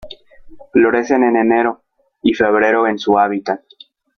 Florecen en enero y febrero en su hábitat.